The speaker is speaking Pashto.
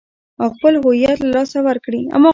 او خپل هويت له لاسه ور کړي .